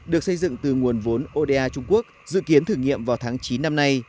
được xây dựng từ nguồn vốn oda trung quốc dự kiến thử nghiệm vào tháng chín năm nay